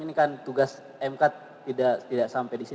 ini kan tugas mkt tidak sampai di situ